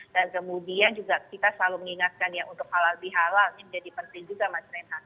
dan kemudian juga kita selalu mengingatkan ya untuk halal bihalal ini menjadi penting juga mas renat